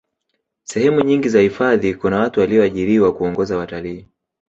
sehemu nyingi za hifadhi kuna watu waliyoajiriwa kuongoza watalkii